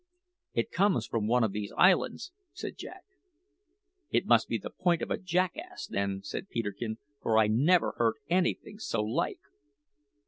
"It comes from one of these islands," said Jack. "It must be the ghost of a jackass, then," said Peterkin, "for I never heard anything so like."